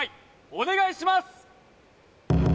お願いします